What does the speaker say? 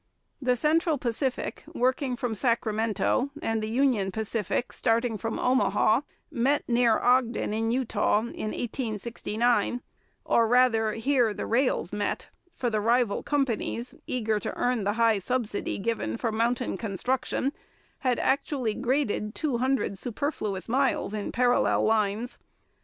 The Central Pacific, working from Sacramento, and the Union Pacific, starting from Omaha, met near Ogden in Utah in 1869 or rather here the rails met, for the rival companies, eager to earn the high subsidy given for mountain construction, had actually graded two hundred superfluous miles in parallel lines.